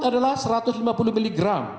adalah satu ratus lima puluh mg